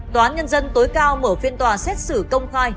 tòa án nhân dân tối cao mở phiên tòa xét xử công khai